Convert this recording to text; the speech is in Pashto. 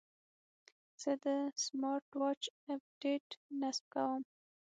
زه د سمارټ واچ اپډیټ نصب کوم.